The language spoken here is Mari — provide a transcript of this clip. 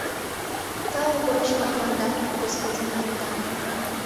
— Тау поро шомакланда, господин капитан.